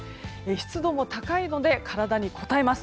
湿度も高いので体にこたえます。